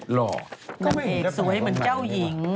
ก็ไม่เห็นได้แปลงคำนี้มากนี้เพราะว่าหนนเอกสวยเหมือนเจ้าหญิง